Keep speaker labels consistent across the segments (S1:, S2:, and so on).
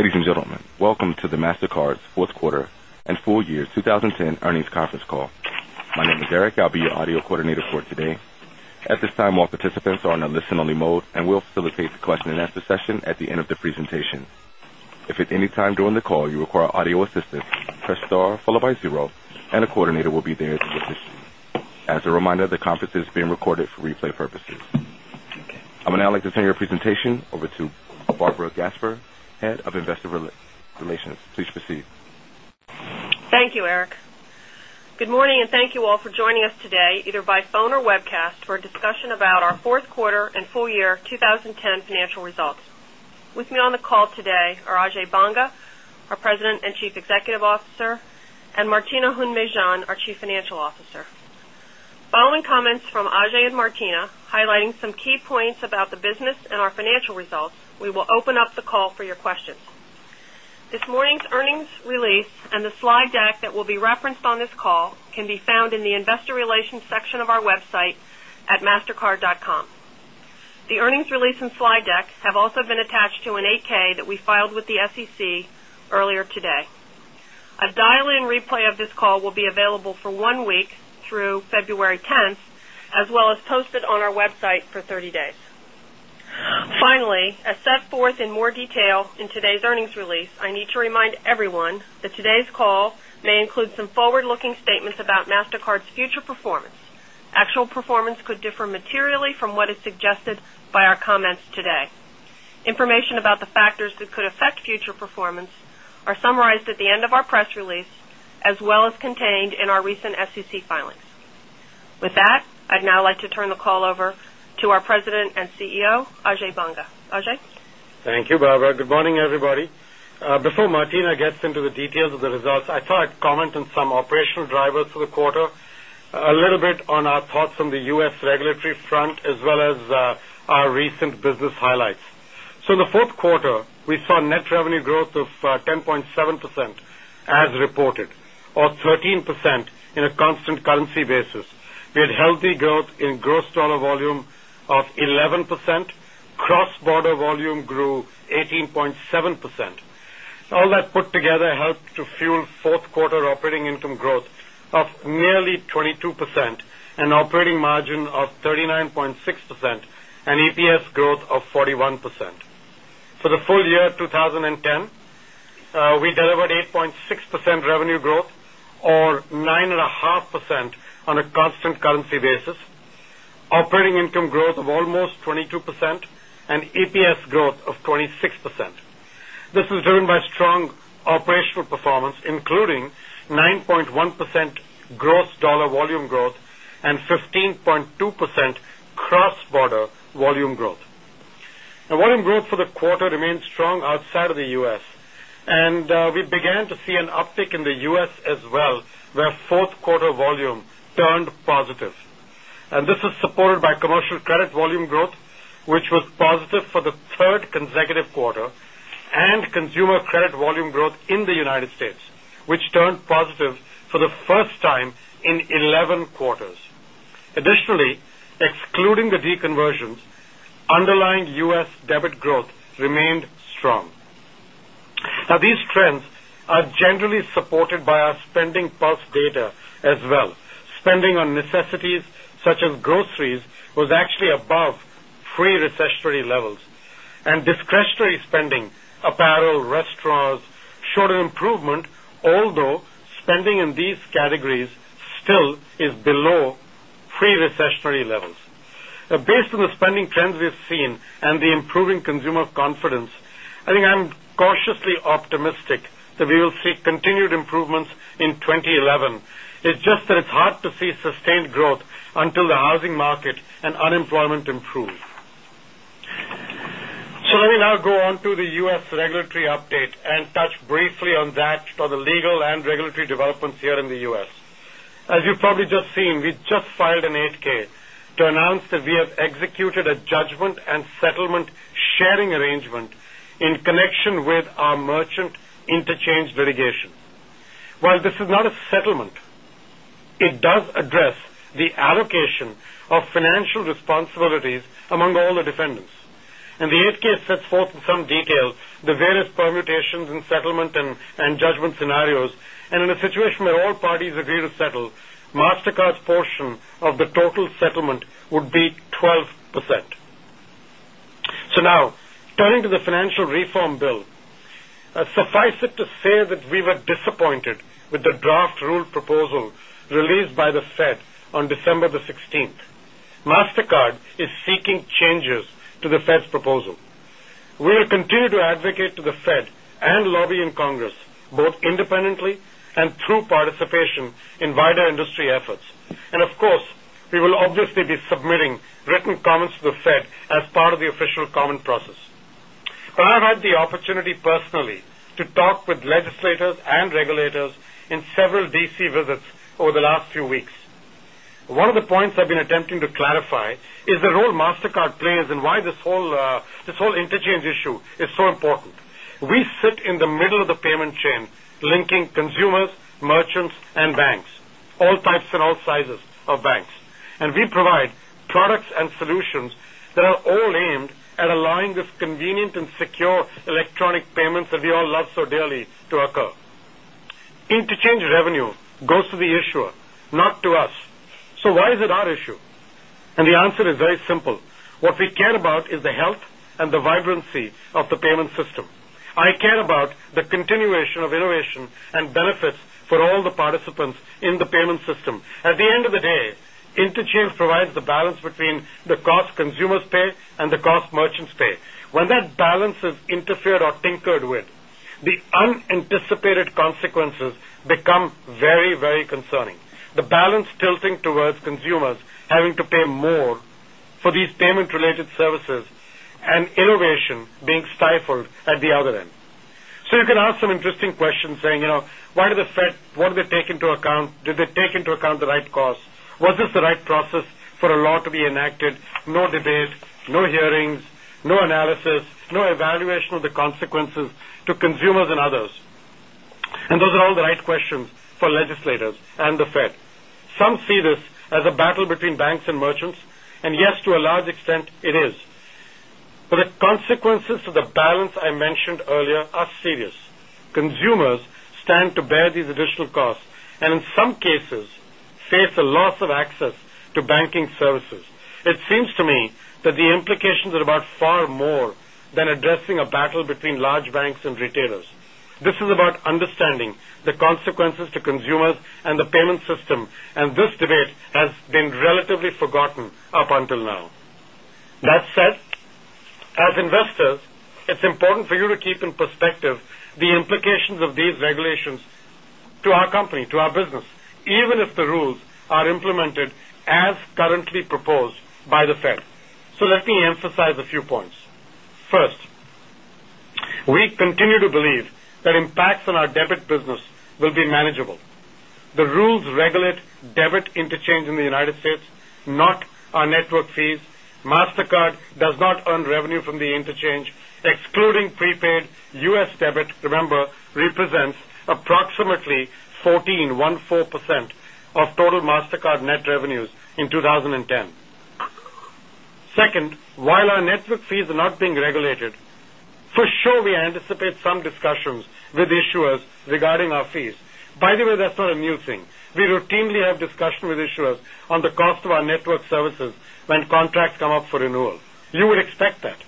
S1: Ladies and gentlemen, welcome to the Mastercard's 4th Quarter and Full Year 20 10 Earnings Conference Call. My name is Eric. I'll be your audio As a reminder, the is being recorded for replay purposes. I would now like to turn your presentation over to Barbara Gasper, Head of Investor Relations. Please proceed.
S2: Thank you, Eric. Good morning and thank you all for joining us today either by phone or webcast for a discussion about our Q4 and full year results. With me on the call today are Ajay Banga, our President and Chief Executive Officer and Martino our Chief Financial Officer. Following comments from Ajay and Martina, highlighting some key points about the business and our financial results, we will open up the call for your This morning's earnings release and the slide deck that will be referenced on this call can be found in the Investor Relations section of our website at mastercard.com. The earnings release and slide deck have also been attached to an 8 ks that we filed with the SEC earlier today. A dial in replay of this call will be available for 1 week through February 10, as well posted on our website for 30 days. Finally, as set forth in more detail in today's earnings release, I need to remind everyone that by our comments today. Information about the factors that could affect future performance are summarized at the end of our press release well as contained in our recent SEC filings. With that, I'd now like to turn the call over to our President and CEO, Ajay Banga. Ajay?
S3: Thank you, Barbara. Good morning, everybody. Before Martina gets into the details of the results, I thought I'd comment on some operational drivers for the quarter. A little bit on our thoughts on the U. S. Regulatory front as well as our recent business highlights. So the 4th quarter, We saw net revenue growth of 10.7 percent as reported or 13% in a constant currency basis. We healthy growth in gross dollar volume of 11%, cross border volume grew 18.7%. All that put together helped to fuel 4th quarter operating income growth of nearly 22% and operating margin of 39.6% and EPS growth of 41%. For the full year 2010, we delivered 8.6% revenue growth or 9 0.5% on a constant currency basis, operating income growth of almost 22% and EPS growth of 26%. This is driven by strong operational performance, including 9.1% gross volume growth and 15.2 percent cross border volume growth. Now volume growth for the quarter remained strong side of the U. S. And we began to see an uptick in the U. S. As well, where 4th quarter volume turned positive. And this is supported by commercial credit volume growth, which was positive for the 3rd consecutive quarter and consumer credit volume growth in the United States, which turned positive for the first time in 11 quarters. Additionally, excluding the deconversions, by our spending pulse data as well, spending on necessities such as groceries was actually above free recessionary levels. And Restoring spending, apparel, restaurants showed an improvement, although spending in these categories still is below pre recessionary levels. Based on the spending trends we've seen and the improving consumer confidence, I think I'm cautiously that we will see continued improvements in 2011. It's just that it's hard to see sustained growth until the housing market unemployment improved. So let me now go on to the U. S. Regulatory update and touch briefly on that for the legal and regulatory developments here in the U. S. As you probably just seen, we just filed an 8 ks to announce that we have executed a judgment and settlement arrangement in connection with our merchant interchange litigation. While this is not a settlement, it does address the allocation of financial responsibilities among all the defendants. And the 8 ks sets forth in some detail, the various permutations in settlement and judgment scenarios and in a situation where all parties agree to Mastercard's portion of the total settlement would be 12%. So now Turning to the financial reform bill, suffice it to say that we were disappointed with the draft rule proposal released by the Fed on December 16th. Mastercard is seeking changes to the Fed's proposal. We will continue to advocate to the Fed and lobby in Congress, both independently and through participation in and through participation in wider industry efforts. And of course, we will obviously be submitting written comments said as part of the official comment process. But I've had the opportunity personally to talk with legislators and regulators in several DC visits over the last few weeks. One of the points I've been attempting to clarify is the role Mastercard plays and why this whole interchange issue is so important. We sit in the middle of the payment chain, linking consumers, merchants and banks, all types and all sizes of banks. And we provide and solutions that are all aimed at allowing this convenient and secure electronic payments that we all love so dearly to occur. Interchange change revenue goes to the issuer, not to us. So why is it our issue? And the answer is very simple. What we about is the health and the vibrancy of the payment system. I care about the continuation of innovation and benefits for all the participants in the system. At the end of the day, Interchange provides the balance between the cost consumers pay and the cost merchants pay. When that balance or tinkered with, the unanticipated consequences become very, very concerning. The balance tilting towards the other end. So you can ask some interesting questions saying, why do the Fed, what do they take into account, do they take into account the right cost, was this to consumers and others. And those are all the right questions for legislators and the Fed. Some see this as a battle between banks and merchants, and yes, to a large extent, it is. But the consequences of the balance I mentioned earlier are serious. Consumers stand to these additional costs and in some cases face a loss of access to banking services. It seems to that the implications are about far more than addressing a battle between large banks and retailers. This is about understanding the consequences to consumers and the payment system and this debate has been relatively forgotten up until now. That said, as investors, it's important for you to keep in perspective the implications of these regulations to our company, to our business, even if the rules are implemented as currently proposed by the Fed. So let me emphasize a few points. 1st, we continue to believe that impacts on our business will be manageable. The rules regulate debit interchange in the United States, not our network fees. Mastercard does not earn revenue from the interchange excluding prepaid U. S. Debit, remember, represents approximately 14, 14% of total Mastercard net revenues in 2010. 2nd, while our network fees being regulated. For sure, we anticipate some discussions with issuers regarding our fees. By the way, that's new thing. We routinely have discussion with issuers on the cost of our network services when contracts come up for renewal. You would expect that.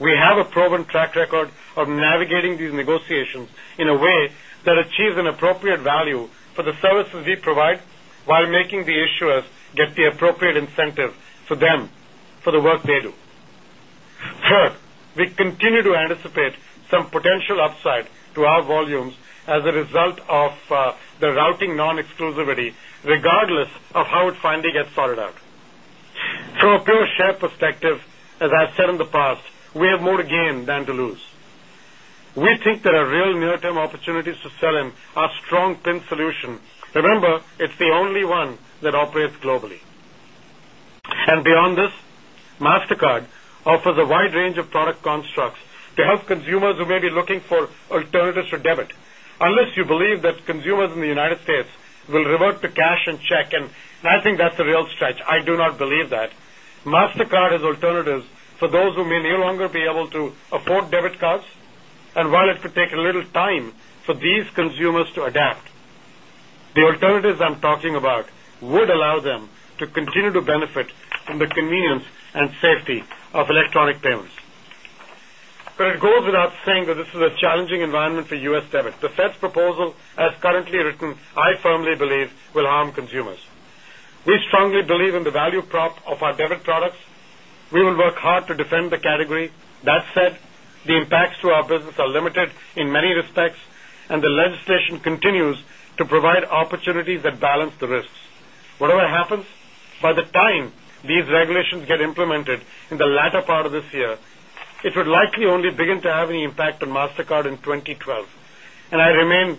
S3: We have a proven track record of navigating these negotiations in a way that achieves an appropriate value for the services we provide, while making the issuers get the appropriate incentive for them for the work they do. 3rd, we continue to anticipate some potential upside to our volumes as a result of the routing non exclusivity regardless of how it finally gets From a pure share perspective, as I've said in the past, we have more to gain than to lose. We Beyond this, Mastercard offers a wide range of product constructs to help consumers who may be looking for alternatives to debit. Unless you believe that consumers in the United States will revert to cash and check and I think that's a real stretch. I do not believe that. Mastercard as alternatives for those who may no longer be able to afford debit cards and while it could take a little time for these consumers to adapt, the alternatives I'm talking about would allow them to continue to benefit from the convenience and safety of electronic payments. But it goes without saying this is a challenging environment for U. S. Debit. The Fed's proposal as currently written, I firmly believe will harm consumers. We strongly believe in the value prop of debit products, we will work hard to defend the category. That said, the impacts to our business are limited in many respects and the legislation to provide opportunities that balance the risks. Whatever happens, by the time these regulations get implemented in the latter part of this year, it would we only begin to have any impact on Mastercard in 2012 and I remain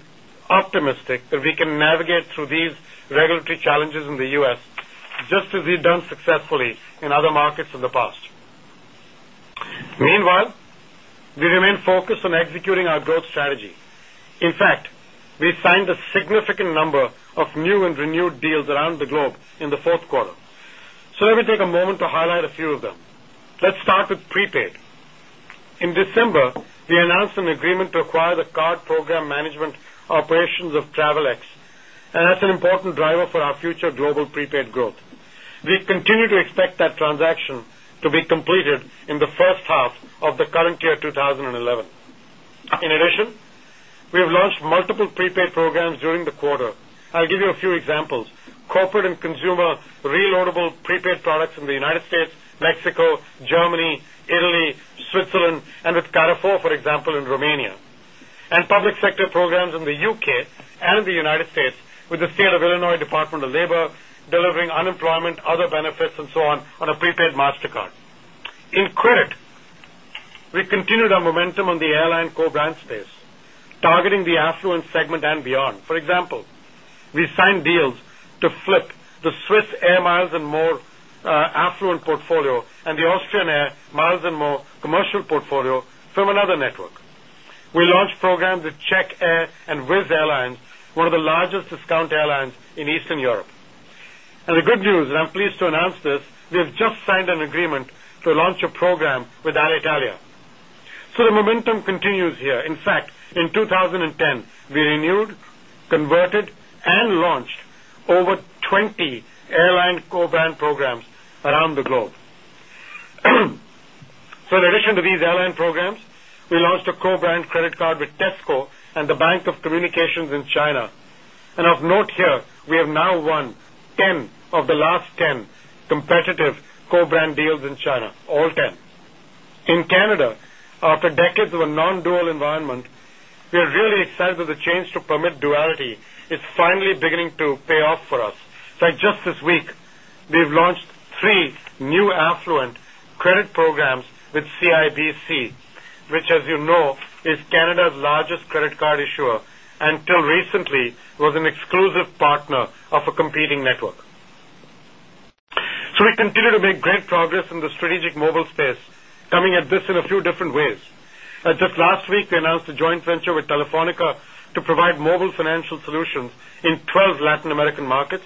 S3: optimistic that we can navigate through these regulatory challenges in the U. S. Just we've done successfully in other markets in the past. Meanwhile, we remain focused on our growth strategy. In fact, we signed a significant number of new and renewed deals around the globe in the Q4. So let me take a moment to a few of them. Let's start with prepaid. In December, we announced an agreement to acquire the card program management operations of Travelex, and an important driver for our future global prepaid growth. We continue to expect that transaction to be completed in the first half of the current 2011. In addition, we have launched multiple prepaid programs during the quarter. I'll give you a few examples. Corporate and consumer reloadable prepaid products in the United States, Mexico, Germany, Italy, Switzerland and with Carrefour, for example, in Romania. And sector programs in the UK and the United States with the State of Illinois Department of Labor delivering unemployment, other benefits and so on Mastercard. In credit, we continued our momentum on the airline co brand space, targeting the affluent segment and beyond. For example, we signed deals to flip the Swiss Air Miles and More affluent portfolio and the Austrian Air Miles and More commercial portfolio from another network. We launched programs at Czech Air and Wizz Airline, one of the largest discount airlines in Eastern Europe. And the good news, and I'm pleased to announce this, we have just signed an agreement to launch a program with and launched over 20 airline co brand programs around the globe. So in addition to these airline programs, we launched a co brand credit card with Tesco and the Bank of Communications in China. And Canada, after decades of a non dual environment, we are really excited that the change to permit duality is finally beginning to pay off for us. In fact, just this We've launched 3 new affluent credit programs with CIBC, which as you know is Canada's largest card issuer until recently was an exclusive partner of a competing network. So we to make great progress in the strategic mobile space coming at this in a few different ways. Just last week, we announced a joint venture with Telefonica to provide mobile financial solutions in 12 Latin American markets.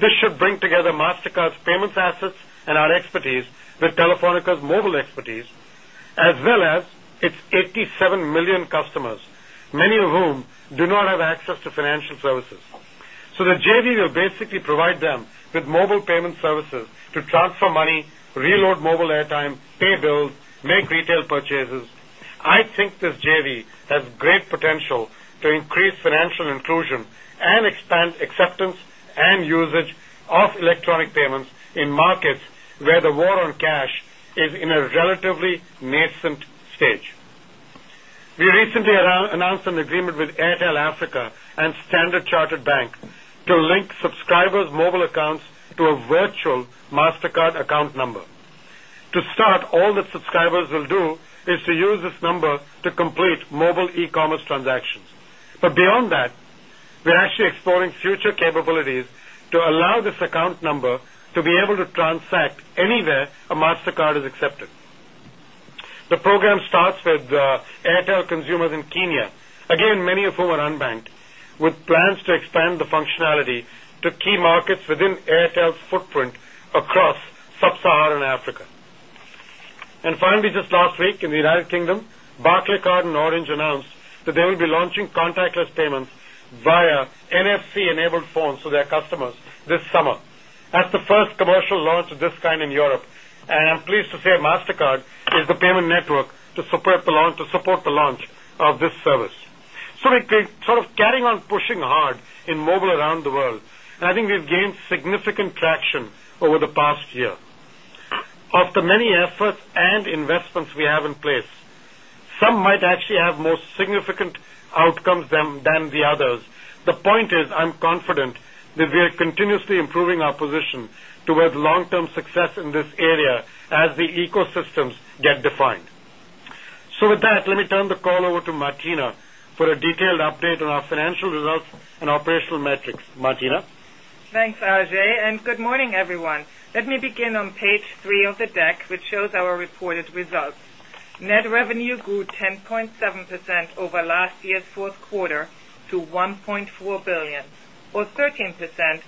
S3: This should bring together Mastercard's payments assets and our expertise with mobile expertise as well as its 87,000,000 customers, many of whom do not have access to financial services. So the JV will basically provide them with mobile payment services to transfer money, reload mobile airtime, pay bills, make retail purchases. I think this JV has great potential to increase financial inclusion and expand acceptance and usage payments in markets where the war on cash is in a relatively nascent stage. Recently announced an agreement with Airtel Africa and Standard Chartered Bank to link subscribers' mobile accounts Mastercard account number. To start, all the subscribers will do is to use this number to complete mobile e commerce transactions. But On that, we're actually exploring future capabilities to allow this account number to be able to transact anywhere a Mastercard is The program starts with Airtel consumers in Kenya, again many of whom are unbanked with to expand the functionality to key markets within Airtel's footprint across sub Saharan Africa. And finally, last week in the United Kingdom, Barclaycard and Orange announced that they will be launching contactless payments via NFC enabled phones to their customers this summer as the first commercial launch of this kind in Europe. And I'm pleased to say Mastercard is the payment network to support the launch of this service. So we're sort of carrying on pushing hard in mobile around the world. And I think we've gained actually have more significant outcomes than the others. The point is, I'm confident that we are continuously improving our position towards long term success this area as the ecosystems get defined. So with that, let me turn the call over to Martina for a detailed update on our financial results and operational metrics. Martina?
S4: Thanks, RJ, and good morning, everyone. Let me begin on Page 3 of the which shows our reported results. Net revenue grew 10.7 percent over last year's 4th quarter to €1,400,000,000 or 6.3%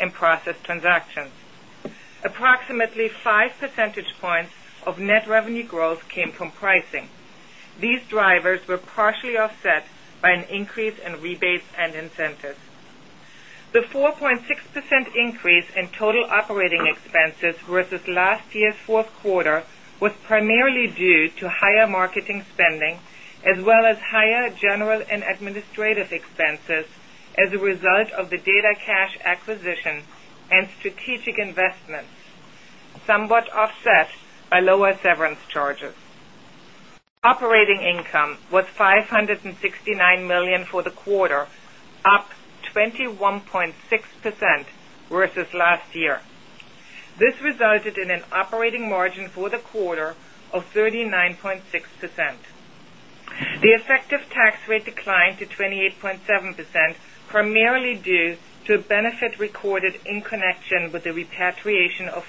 S4: in process transactions. Approximately 5 percentage points of net revenue growth came from pricing. These drivers were partially offset by an increase in rebates and incentives. The 4.6% increase in total operating expenses versus last year's 4th quarter was primarily due due to higher marketing spending as well as higher general and administrative expenses as a result of the DataCash and strategic investments somewhat offset by lower severance charges. Operating income was 569 1,000,000 for the quarter, up 21.6 versus last year. This resulted in an operating margin for the quarter of 39 0.6%. The effective tax rate declined to 28.7% primarily due to benefit recorded in connection with the repatriation of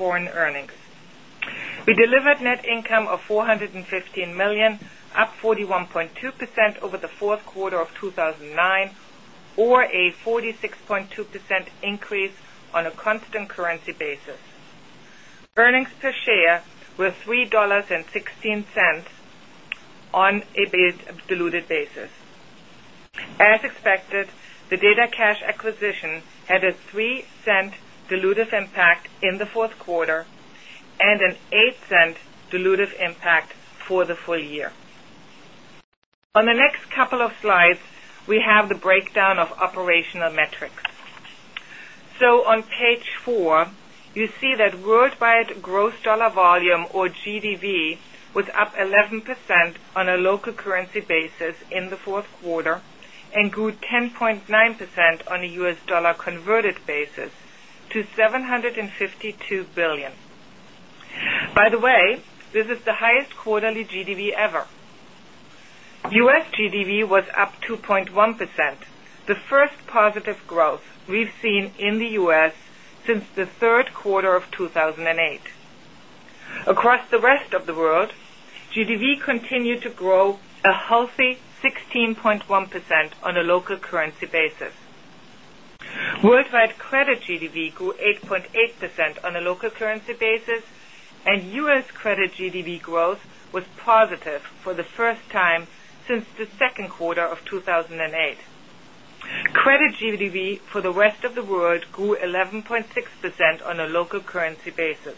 S4: foreign earnings. We delivered net income of €415,000,000 up 41.2 percent over the Q4 of 2019 or a 46.2% increase on a constant currency basis. Earnings per share were $3.16 on a diluted basis. As expected, the DataCash acquisition had a $0.03 dilutive impact in the 4th quarter and an dollars 0.08 dilutive impact for the full year. On the next couple of slides, we have metrics. So on Page 4, you see that worldwide gross dollar volume or GDV was up 11 on a local currency basis in the 4th quarter and grew 10.9% on a U. S. Dollar converted basis to By the way, this is the highest quarterly GDV ever. U. Of 2,008. Across the rest of the world, GDV continued to grow a healthy 16.1% on a local currency basis. Worldwide credit percent on a local currency basis and U. S. Credit GDV growth was positive for the first time since the Q2 of 2008. Credit GDV for the rest of the world grew 11.6% on a local currency basis.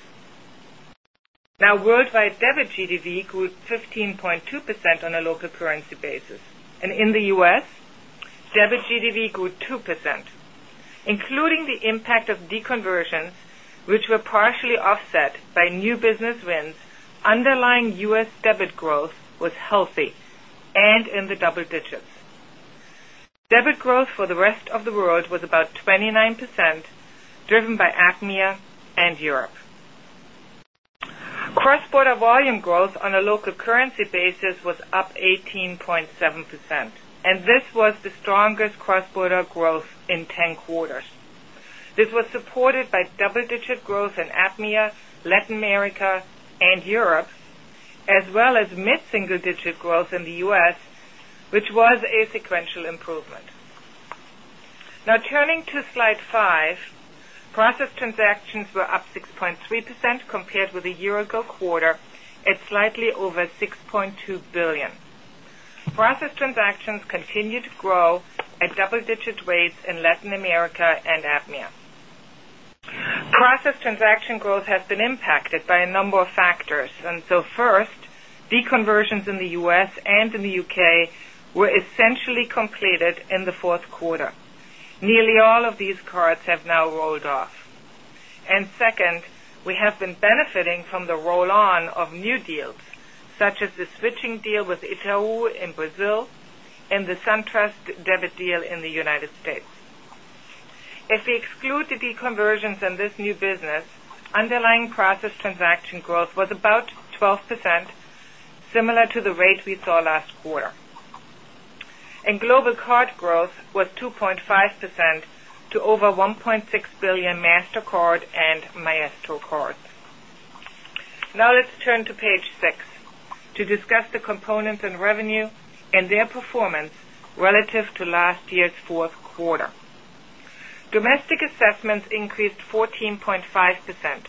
S4: Now worldwide debit GDV grew 15.2 percent on a local currency basis. And in the U. S, Underlying U. S. Debit growth was healthy and in the double digits. Debit growth for the rest of the world was about 29 percent driven by basis was up 18.7 percent and this was the strongest cross border growth in 10 quarters. This was supported by double digit growth in APMEA, Latin America and Europe as well as mid single digit growth in the U. S, which was a sequential Now turning to slide 5, process transactions were up 6.3% compared with a year ago quarter at slightly over 6.2 billion. Process transactions continue to grow at double digit in Latin America and APMEA. Process transaction growth has been impacted by a number of factors. And so 1st, the conversions in the U. S. And in the U. K. Were essentially completed in the 4th quarter. Nearly all of these cards have now rolled off. And second, we have been benefiting from the roll on of new deals such as the switching deal Itau in Brazil and the SunTrust debit deal in the United States. If we exclude the last quarter. And global card growth was 2.5 percent to over 1,600,000,000 Mastercard and Maestro cards. Now let's turn to Page 6 to discuss the components in revenue and their performance relative to last year's Q4. Domestic assessments increased 14.5%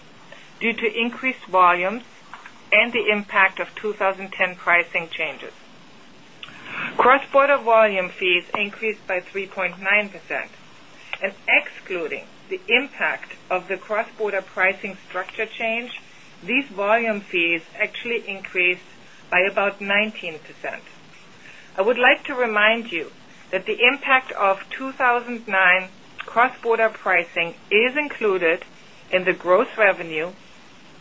S4: due to increased volumes and impact of 20 10 pricing changes. Cross border volume fees increased by 3.9 percent. And excluding the impact of the cross border pricing structure change, these volume fees actually increased by about 19%. I would like to remind you that the impact of 2,009 cross border pricing is included in the gross revenue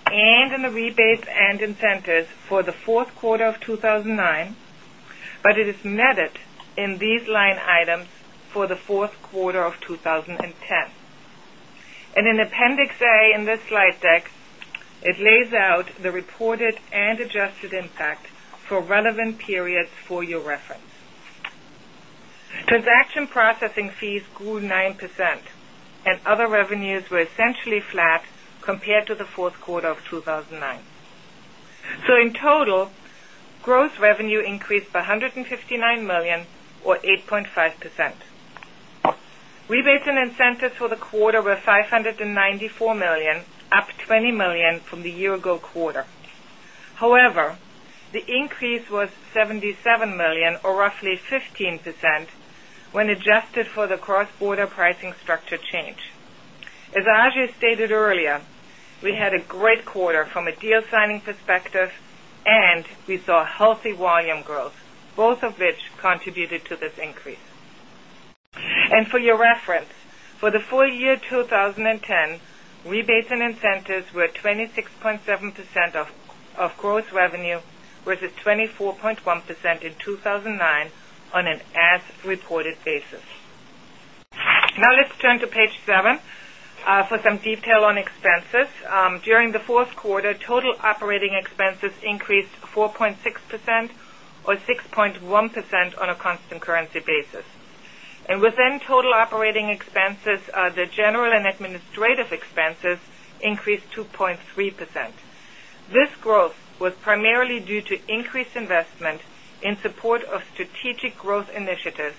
S4: and in the rebates and incentives for the Q4 of 2019, but it is netted in these line items for the Q4 of 2010. And in Appendix A in this Transaction processing fees grew 9% and other revenues were essentially flat compared to the Q4 of 2009. So in total, gross revenue increased by €159,000,000 or 8.5 percent. Rebates and incentives for the quarter were 5 the RMB94 1,000,000 up RMB20 1,000,000 from the year ago quarter. However, the increase was RMB77 1,000,000 or roughly 15% when adjusted for the cross border pricing structure change. As Ajay stated earlier, we had a great quarter from a deal signing perspective and we saw healthy volume growth, both of which contributed to this increase. And for your reference, for the full year 2010, rebates and incentives were 26.7% of gross revenue versus For some detail on expenses, during the 4th quarter total operating expenses increased 4 point percent or 6.1% on a constant currency basis. And within total operating expenses, the general and administrative increased 2.3%. This growth was primarily due to increased investment in support of strategic growth initiatives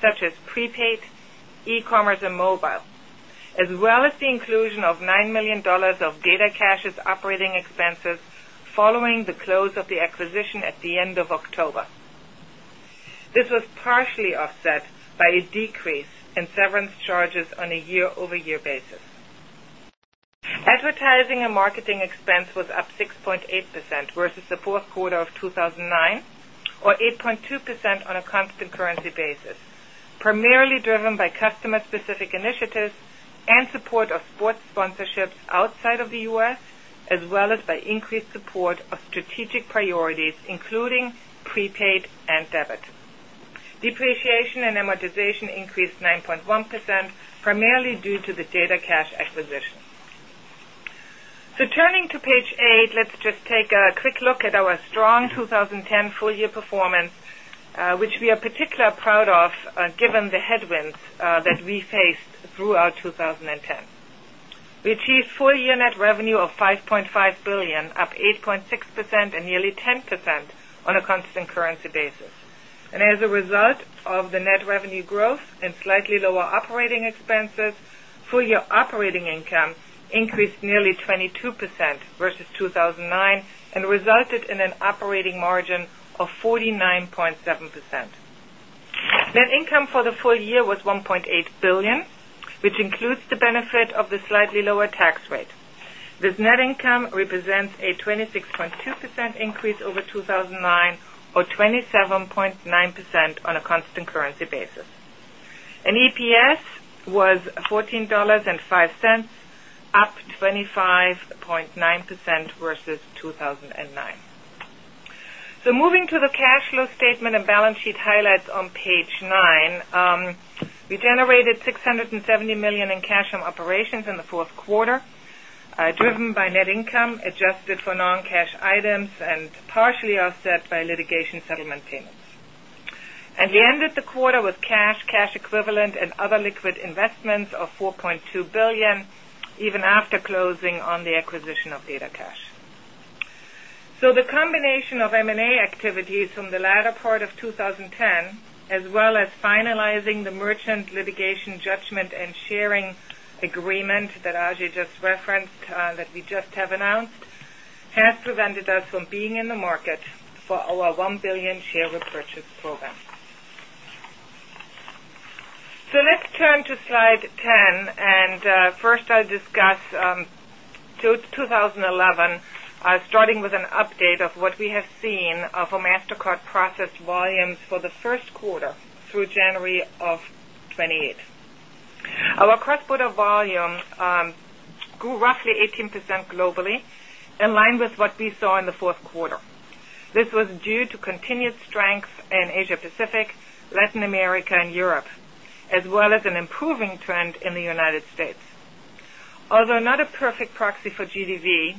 S4: such as prepaid, e commerce and mobile as well as the inclusion of CAD9 1,000,000 of DataCash's operating expenses following the close of the acquisition at the end of October. This was partially offset by a decrease in severance charges on a year over year basis. Advertising and marketing expense was up 6.8% versus the Q4 of 2,009 or 8.2% on a constant currency basis, Merely driven by customer specific initiatives and support of sports sponsorships outside of the U. S. As well as by increased support of strategic due to the DataCash acquisition. So turning to Page 8, let's just take a quick look at our strong which we are particularly proud of given the headwinds that we faced throughout 2010. We achieved full year net revenue of €5,500,000,000 up 8.6 percent and nearly 10% on a constant currency basis. And as a result of the net revenue growth and slightly lower operating expenses, full year operating income increased nearly 22% versus 2,009 and resulted in an operating margin of 49.7 percent. Net income for the full year was €1,800,000,000 which includes benefit of the slightly lower tax rate. This net income represents a 26.2% increase over 2,009 or 27.9% on a constant currency basis. And EPS was 14.05 up 25.9 percent versus 2,009. So moving to the cash flow statement and balance sheet highlights on Page 9. We generated 670,000,000 in cash from operations in the 4th quarter, driven net income adjusted for non cash items and partially offset by litigation settlement payments. And we ended the quarter with cash, cash equivalent and other liquid investments of €4,200,000,000 even after closing on the acquisition of DataCash. So the combination of M and A activities from the latter part of 20 and sharing agreement that Ajay just referenced that we just have announced has prevented us from being in the market for our 1 1,000,000,000 share repurchase program. So let's turn to Slide 10 and first discuss, 2011, starting with an update of what we have seen for Master processed volumes for the Q1 through January of 2018. Our cross border volume grew roughly 18% globally, in line with what we saw in the 4th quarter. This was due to continued strength Asia Pacific, Latin America and Europe, as well as an improving trend in the United States. Although not a perfect proxy for GDV,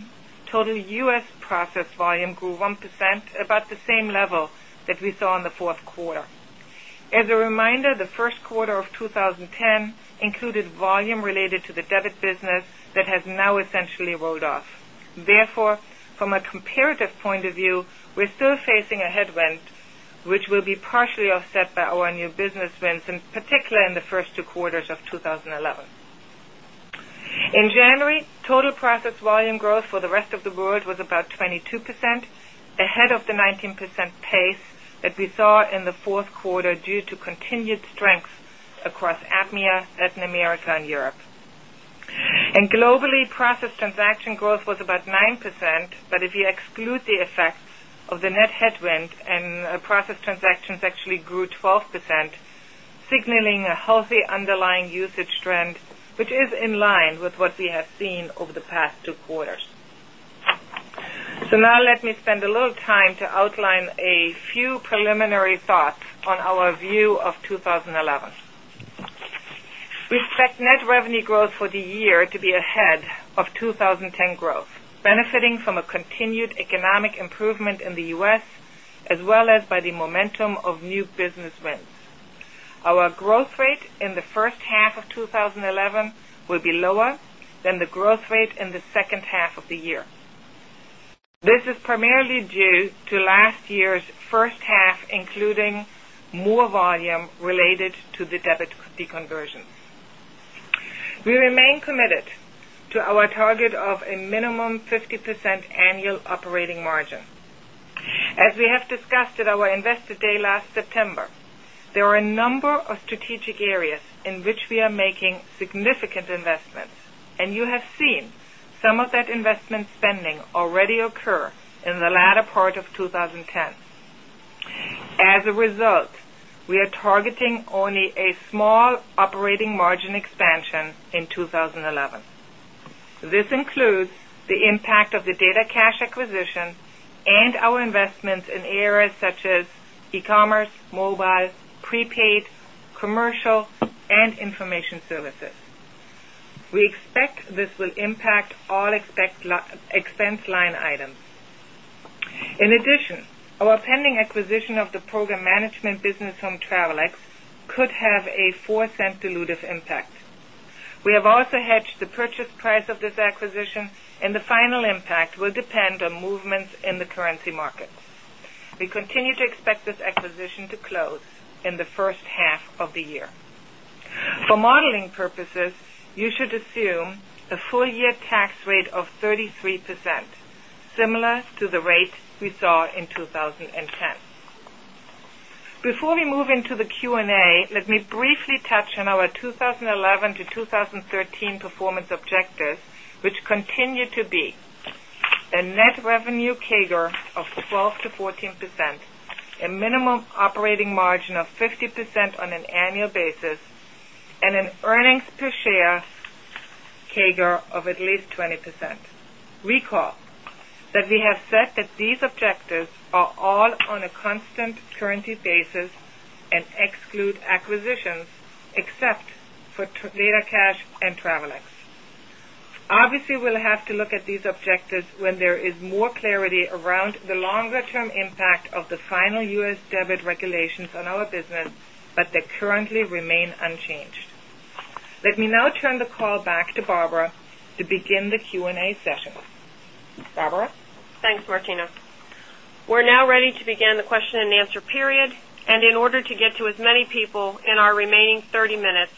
S4: total U. S. Process volume grew 1% about the same level that we saw in the Q4. As a reminder, the Q1 of A comparative point of view, we're still facing a headwind, which will be partially offset by our new business in the first two quarters of 2011. In January, total process volume growth for the rest of the world was about 22%, ahead the 19% pace that we saw in the 4th quarter due to continued strength across APMEA, Aetna America Europe. And globally, Process Transaction growth was about 9%, but if you exclude the effects of the net headwind process transactions actually grew 12%, signaling a healthy underlying usage trend, which is in line with what we have seen over the past 2 quarters. So now let me spend a little time to outline a few preliminary thoughts on our view of from a continued economic improvement in the U. S. As well as by the momentum of new business wins. Our growth rate the first half of twenty eleven will be lower than the growth rate in the second half of the year. This is primarily due to last year's first half including more volume related to the debit deconversion. We remain committed to our target of a minimum 50% annual operating margin. As we have discussed at our Investor Day last September, there are a number of strategic areas in which we are making significant investments and you have some of that investment spending already occur in the latter part of 20 only a small operating margin expansion in 2011. This includes the impact of the DataCash acquisition and our investments in areas such as e commerce, mobile, prepaid, commercial and information services. We expect this will impact all expense line items. In addition, our pending acquisition of the program management business from Travelex could have a $0.04 dilutive We have also hedged the purchase price of this acquisition and the final impact will depend on movements in the currency markets. We continue to this acquisition to close in the first half of the year. For modeling purposes, you should assume a full year tax rate of 30 percent similar to the rate we saw in 20 10. Before we move into the Q Let me briefly touch on our 2011 to 2013 performance objectives, which continue to be a net revenue of 12% to 14%, a minimum operating margin of 50% on an annual basis and an earnings per share CAGR of at least 20%. Recall that we have set that these objectives all on a constant currency basis and exclude acquisitions except for LATACash and Travelex. Obviously, we'll have to look at these objectives when there is more clarity around the longer term impact of the final U. S. Regulations on our business, but they currently remain unchanged. Let me now turn the call back to Barbara to begin the Q and A Barbara? Thanks, Martina.
S2: We're now ready to begin the question and answer period. And in order to get to as many people in our 30 minutes,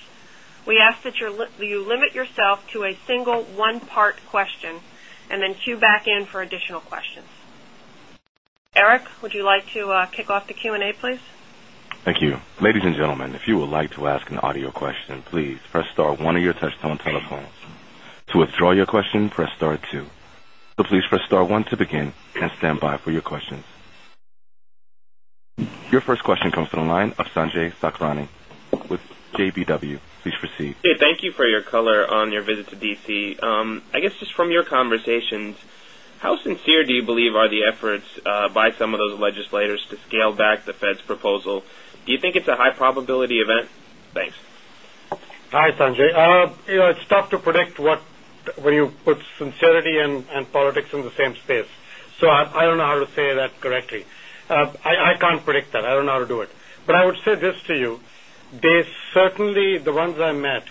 S2: we ask that you limit yourself to a single one part question and then queue back in for additional questions. Eric, would you like to kick off the Q and A please?
S1: Thank you. Your first question comes from the line of Sanjay Sakhrani with KBW. Please proceed.
S5: Thank you for your color on your visit to D. C. I guess just from your conversations, how sincere do you believe are the efforts by some of those legislators to scale back the Fed's proposal. Do you think it's a high probability event? Thanks.
S3: Hi, Sanjay. It's tough to predict what when you put sincerity and politics in the same space. So I don't know how to say that correctly. I can't I don't know how to do it. But I would say this to you, they certainly, the ones I met,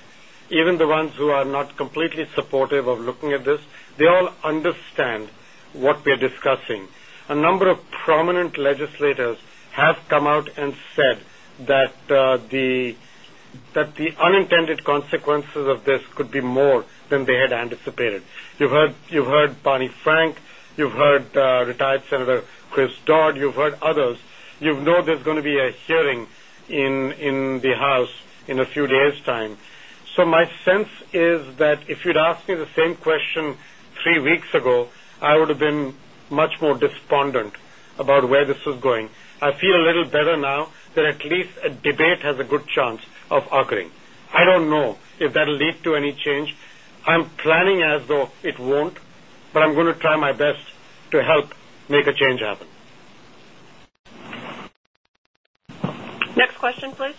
S3: even the ones who are not completely come out and said that the unintended consequences of this could be more than they had anticipated. You've heard Bonnie Frank, you've heard retired Senator Chris Dodd, you've heard others, you know there's going to be a hearing in the house in a few days' time. So my sense is that if you'd asked me the same question 3 weeks I would have been much more despondent about where this is going. I feel a little better now that at least going to try my best to help make a change happen.
S2: Next question please.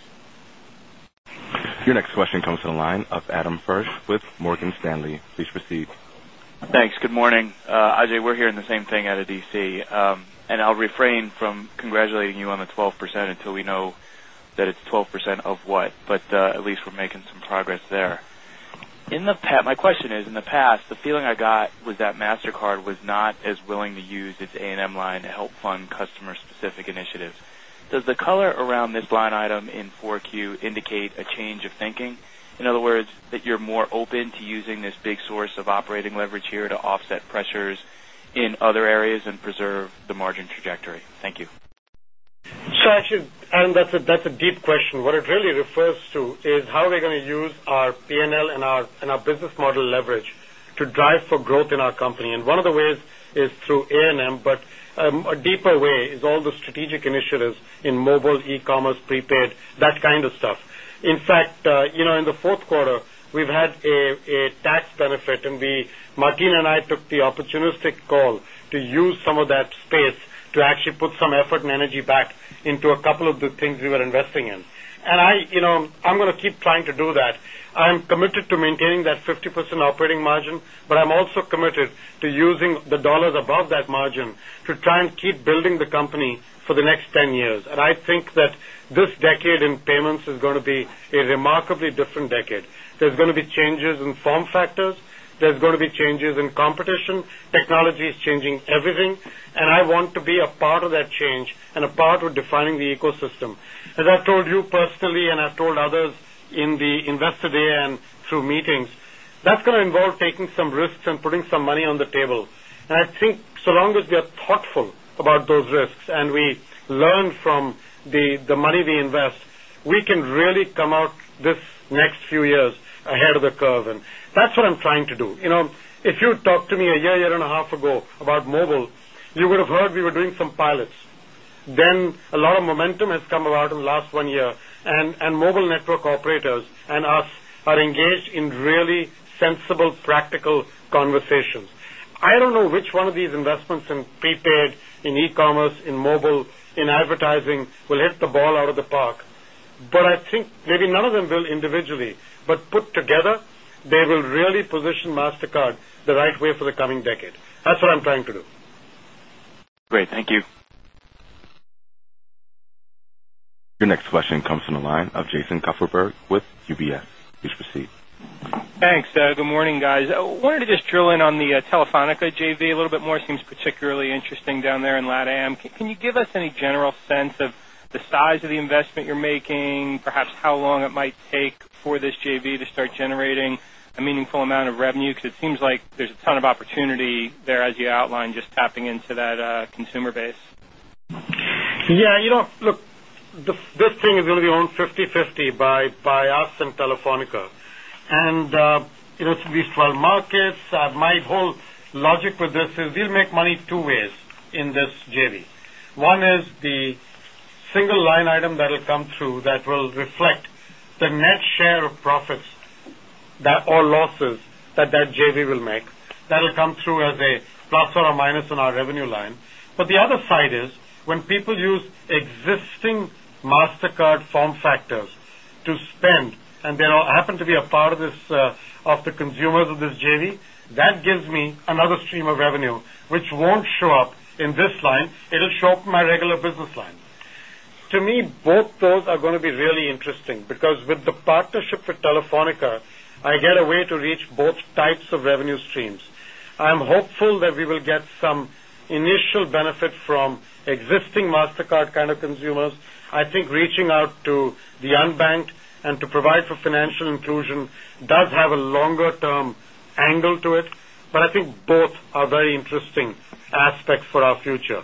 S1: Your next question comes from the line of Adam Firsch with Morgan Stanley. Please proceed.
S6: Thanks. Good morning. Ajay, hearing the same thing out of DC. And I'll refrain from congratulating you on the 12% until we know that it's 12% of what, But at least we're making some progress there. In the my question is, in the past, the feeling I got was that Mastercard was not as willing to use its A and M line to help fund customer specific initiatives. Does the color around this line item in 4Q indicate a change of thinking? In other words, that you're more open to using this big source of operating leverage here to offset pressures in other areas and preserve the margin trajectory? Thank you.
S3: So actually, Adam, that's a deep question. What it really refers to is how we're going to use our P and L and our business model leverage to drive for growth in our company. And one of the ways is through A and M, but a deeper way is all the strategic initiatives in mobile, e commerce, prepaid, that kind of stuff. In fact, in the Q4, we've had a tax benefit and we Martin and I took the opportunistic call to use some of that space to actually put some effort and energy back into a couple of the things we were investing in. And I'm going to keep trying to do that. I'm committed to maintaining that 50% operating margin, but I'm also committed to using the dollars above that margin to try and keep building the company for the next 10 years. And I think that this decade in payments is going to be a remarkably different decade. There's going to be change in form factors, there's going to be changes in competition, technology is changing everything and I want to be a part of that change and a part defining the ecosystem. As I've told you personally and I've told others in the Investor Day and through meetings, that's we can really come out this next few years ahead of the curve and that's what I'm trying to do. If you talk to me a year, year and a half About mobile, you would have heard we were doing some pilots. Then a lot of momentum has come about in the last 1 year and mobile network and us are engaged in really sensible practical conversations. I don't know which one of these investments in prepaid, in e commerce, in mobile, in advertising will hit the ball out of the park. But I think Maybe none of them will individually, but put together, they will really position Mastercard the right way for the coming decade. That's what I'm trying to do.
S6: Great. Thank you.
S1: Your next question comes from the line of Jason Kupferberg with UBS.
S7: Thanks. Good morning, guys. I wanted to just drill in on the Telefonica JV a little bit more. It seems particularly interesting down there in LatAm. You give us any general sense of the size of the investment you're making, perhaps how long it might take for this JV to start generating a meaningful amount of revenue because it seems like there's a ton of opportunity there as you outlined just tapping into that consumer base?
S3: Yes. Look, this thing is we'll be owned fifty-fifty by us and Telefonica. And it's at least 12 markets. My whole logic with We'll make money 2 ways in this JV. 1 is the single line item that will come through that will the net share of profits that or losses that that JV will make that will come through as a plus or a minus on our revenue line. But the Other side is when people use existing Mastercard form factors to spend and they happen to be a part of this of the consumers of this JV, that gives me another stream of revenue, which won't show up in this line, it will show up in my regular business To me, both those are going to be really interesting because with the partnership with Telefonica, I get a way to reach both types of revenue streams. I'm hopeful that we will get some initial benefit from existing Mastercard kind of consumers. I think reaching out to the unbanked and to provide for financial inclusion does have a longer term angle to But I think both are very interesting aspects for our future.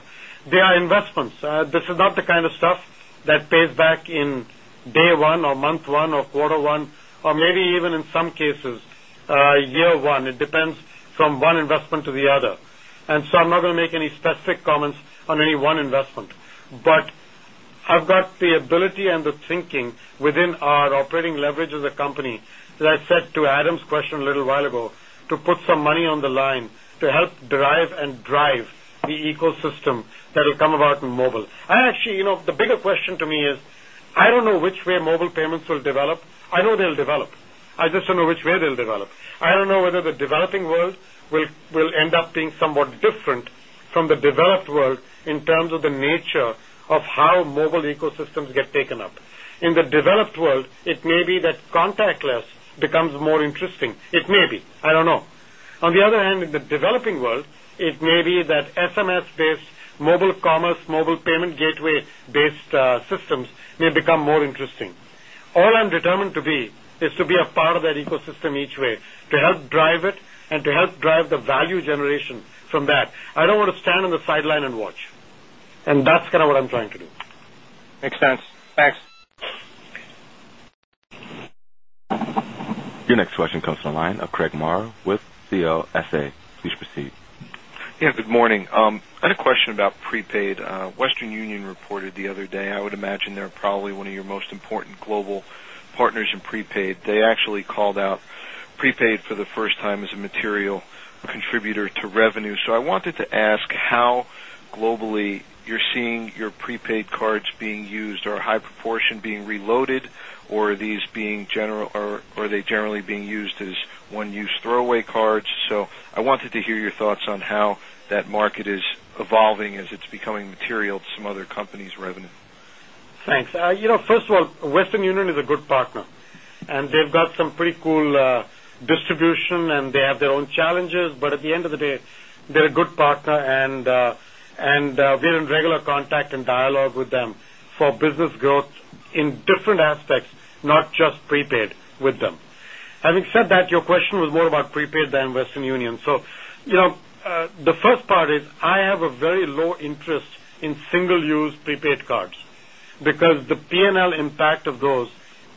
S3: They are investments. This is not the kind of stuff that pays back in 1 or month 1 or quarter 1 or maybe even in some cases, year 1, it depends from one investment to the other. And so I'm not going to make any specific comments on any one investment, but I've got the ability and the thinking within our leverage as a company. As I said to Adam's question a little while ago, to put some money on the line to help drive and drive the ecosystem that will come about in mobile. And actually, the bigger question to me is, I don't know which way mobile payments will develop, I know they'll develop. I just don't know which way develop. I don't know whether the developing world will end up being somewhat different from the developed world in terms The nature of how mobile ecosystems get taken up. In the developed world, it may be that contactless becomes interesting, it may be, I don't know. On the other hand, in the developing world, it may be that SMS based mobile system each way to help drive it and to help drive the value generation from that. I don't want to stand on the sideline and watch. And that's kind
S1: Your next question comes from the line of Craig Maher with CLSA. Please proceed. Yes, good morning. I had a
S8: question about prepaid. Western Union reported the other day. I would imagine they're one of your most important global partners in prepaid, they actually called out prepaid for the first time as a material contributor to revenue. So I wanted to ask How globally you're seeing your prepaid cards being used or high proportion being reloaded or are these being general or are they generally being used as one use throwaway cards? So I wanted to hear your thoughts on how that market is evolving as it's becoming material to some other companies' revenue?
S3: Thanks. First of all, Western Union is a good partner. And they've got some Cool distribution and they have their own challenges, but at the end of the day, they're a good partner and we're regular contact and dialogue with them for business growth in different aspects, not just prepaid with them. Having said Your question was more about prepaid than Western Union. So the first part is, I have a very low interest in single use prepaid cards because The P and L impact of those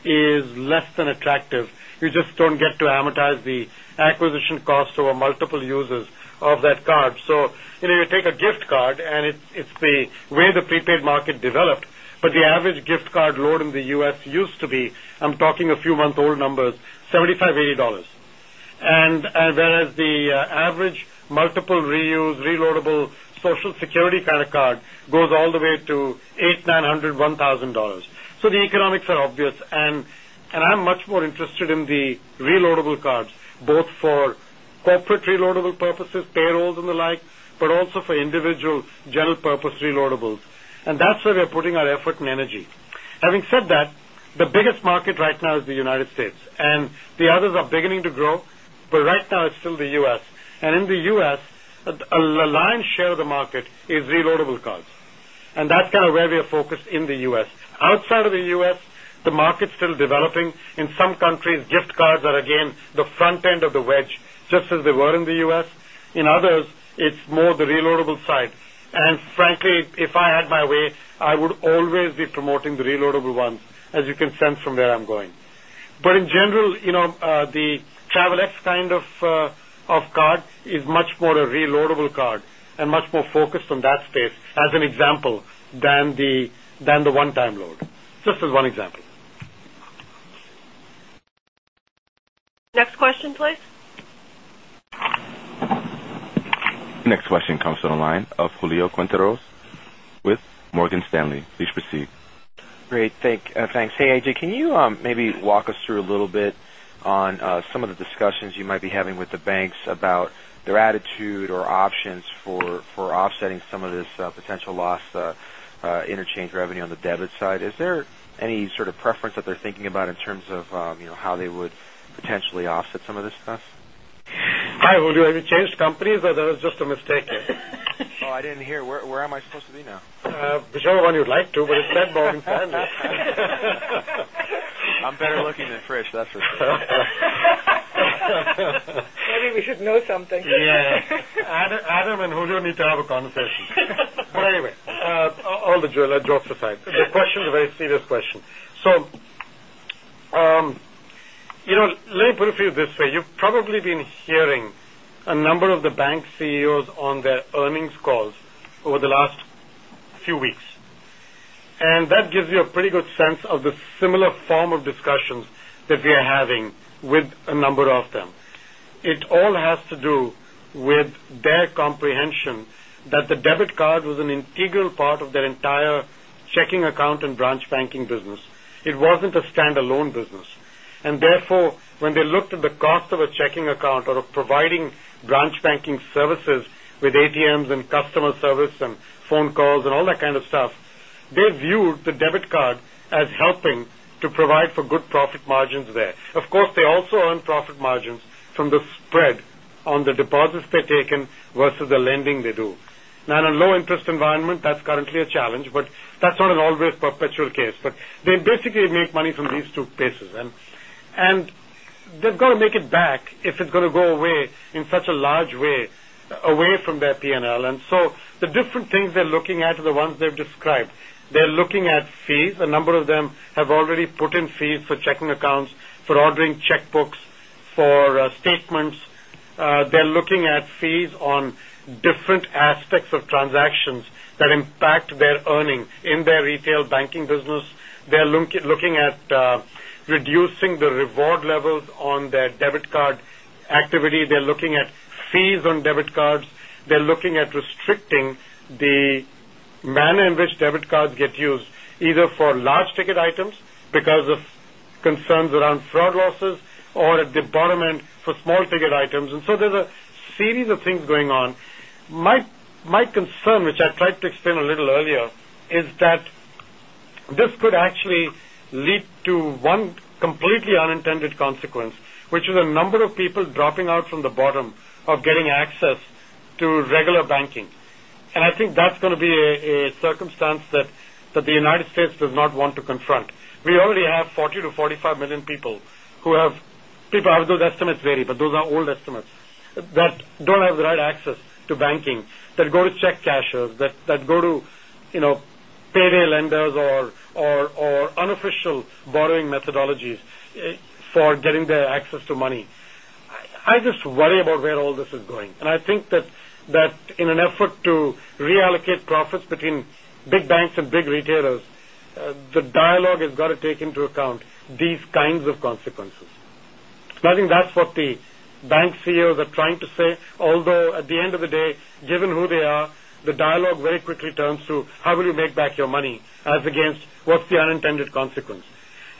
S3: is less than attractive. You just don't get to amortize the acquisition costs over multiple users of that card. So you take a gift card and it's the way the prepaid market developed, but the average gift card load in the U. S. Used to be, I'm a few month old numbers, dollars 75, dollars 80 and whereas the average multiple reuse reloadable social credit card goes all the way to $800,000 $900,000 $1,000 So the economics are obvious and I'm much more interested in the reloadable both for corporate reloadable purposes, payrolls and the like, but also for individual general purpose reloadables. And that's where we're putting our in energy. Having said that, the biggest market right now is the United States and the others are beginning to grow, but right now it's still the U. S. And in the us, the lion's share of the market is reloadable cards and that's kind of where we are focused in the U. S. Outside of the U. S, the market is still developing. In some countries, gift cards are again the front end of the wedge, in some countries, gift cards are again the front end of the wedge just as they were in the U. S. In others, it's more the reloadable side. And frankly, if I had my way, I would always be promoting the reloadable ones as you can sense from where I'm going. But in general, the TravelX than the one time load, just as one example.
S2: Next question please.
S1: Next question comes from the line of Julio Quinteros with Morgan Stanley. Please proceed.
S9: Great. Thanks. Hey, A. J, can you maybe walk us through
S10: a little bit on some of
S9: the discussions you might be having with the banks about Their attitude or options for offsetting some of this potential loss interchange revenue on the debit side, is there any sort of preference that thinking about in terms of how they would potentially offset some of this stuff?
S3: Hi, will you have you changed companies or there Just a mistake.
S9: Oh, I didn't hear, where am I supposed to be now?
S3: Whichever one you'd like to, but it's that Morgan Stanley.
S9: I'm better
S4: Maybe we should know something.
S3: Adam and Julio need to have a conversation. But anyway, all the joy, I'll drop aside. The question is a very serious question. So Let me put it for you this way, you've probably been hearing a number of the bank CEOs on their earnings calls over last few weeks. And that gives you a pretty good sense of the similar form of discussions that we are having with a number of them. Branch banking services with ATMs and customer service and phone calls and all that kind of stuff, they view the debit card as helping to provide for good profit margins there. Of course, they also earn profit margins from the spread on the deposits they're versus the lending they do. Now in a low interest environment, that's currently a challenge, but that's not an always perpetual case. But they basically make money from these two paces. And they've got to make it back if it's going to go away in such a large way away from their P and L. And so the different things they're looking at are the ones they've described. They're looking at fees, a number of them have already put in fees for accounts for ordering checkbooks for statements, they're looking at fees on different aspects of transactions that impact their earnings in their retail banking business, they're looking at reducing the reward on their debit card activity, they're looking at fees on debit cards, they're looking at restricting the manner in which debit cards get used either for large ticket items because of concerns around fraud losses or a debridement for small ticket items. And so there's a series of things going on. My concern, which I tried to explain a little earlier, is that This could actually lead to one completely unintended consequence, which is a number of people dropping out from the bottom of getting access to regular banking. And I think that's going to be a circumstance that the United States does not to confront. We already have 40,000,000 to 45,000,000 people who have people are those estimates vary, but those are old estimates that don't have the right access to banking, that go to check cashers, that go to payday lenders or unofficial borrowing methodologies for getting their access to money. I just worry about where all this is going. And I think that in an effort to reallocate profits between big banks and big retailers, the dialogue has got to take into account these kinds of consequences. So I think that's what the bank CEOs are trying to say, although at the end of the day, given who they are, the dialogue very quickly turns to how will you make back your money as against what's the unintended consequence.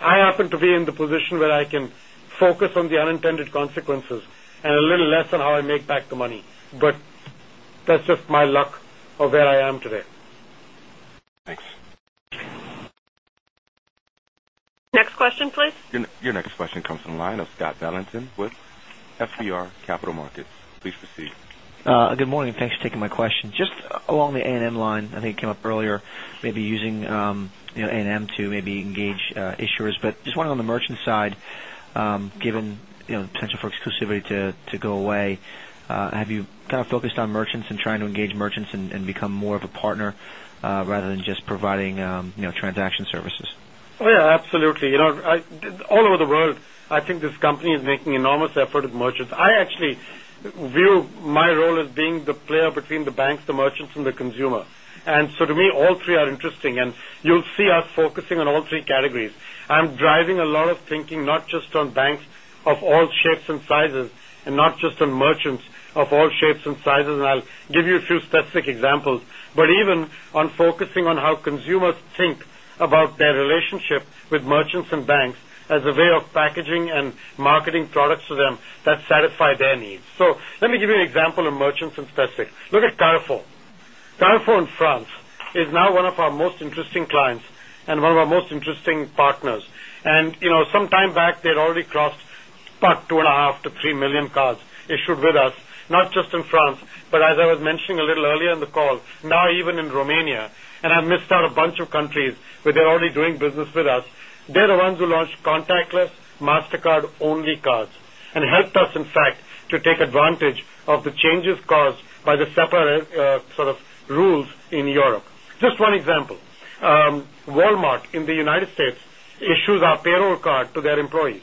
S3: I happen to be in the position where I can focus on the unintended consequence and a little less on how I make back the money, but that's just my luck of where I am today.
S1: Thanks.
S2: Next question please.
S1: Your next question comes from the line of Scott Valentin with FBR Capital Markets. Please proceed.
S9: Just along the A and M line, I think it came up earlier, maybe using A and M to maybe engage issuers. But just On the merchant side, given the potential for exclusivity to go away, have you kind of focused on merchants and trying to engage Merchants and become more of a partner rather than just providing transaction services?
S3: Yes, absolutely. All over the world, I think this company is making enormous effort at merchants. I actually view my role as being the player between the banks, the merchants consumer. And so to me, all three are interesting and you'll see us focusing on all three categories. I'm driving a lot of thinking not just on banks of all shapes and sizes and not just on merchants of all shapes and sizes and I'll give you a few specific examples, but even on focusing to them that satisfy their needs. So let me give you an example of merchants in specific. Look at Carrefour. Carrefour in France is now one of our most interesting and one of our most interesting partners. And sometime back, they had already crossed about 2,500,000 to 3,000,000 cards issued with us, not just in France, but as I was mentioning a little earlier in the call, now even in Romania, and I missed out a bunch of countries where they're already doing business with us. They're the ones who launched contactless Mastercard only cards and helped us in fact to take advantage of the changes caused by the sort of rules in Europe. Just one example, Walmart in the United States issues payroll card to their employees.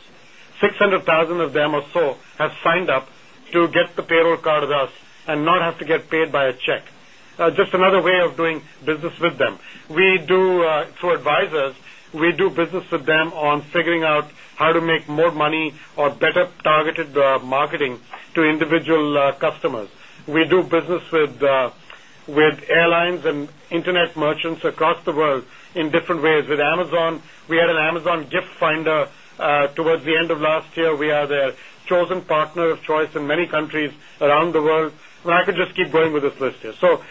S3: 600,000 of them or so have signed up to get the payroll card with us and not have to get paid by a check. Just way of doing business with them. We do through advisors, we do business with them on figuring out how to make more money or better targeted marketing to individual customers. We do business with airlines and Internet merchants across the world in different with Amazon, we had an Amazon gift finder towards the end of last year. We are their chosen partner of choice in many countries around the world. I just keep going with this list here. So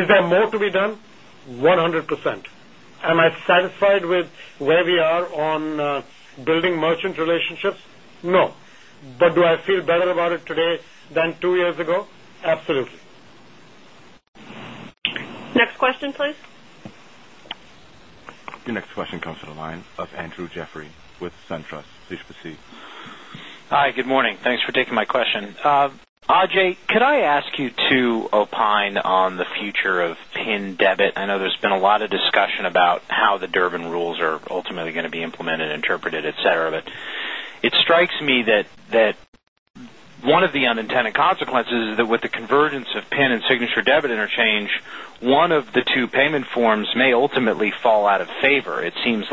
S3: is there more to be done? 100%. Am I satisfied with where we are on building Merchant relationships? No. But do I feel better about it today than 2 years ago? Absolutely.
S2: Next question please.
S1: Your next question comes from the line of Andrew Jeffrey with SunTrust. Please
S11: Hi, good morning. Thanks for taking my question. Ajay, could I ask you to opine on the future of PIN debit? I know there's A lot of discussion about how the Durbin rules are ultimately going to be implemented, interpreted, etcetera. But it strikes me that One of the unintended consequences is that with the convergence of PIN and Signature debit interchange, one of the 2 payment forms may ultimately fall out of favor. It seems